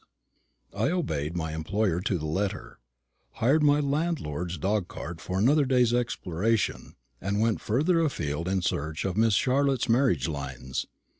I obeyed my employer to the letter; hired my landlord's dog cart for another day's exploration; and went further afield in search of Miss Charlotte's marriage lines.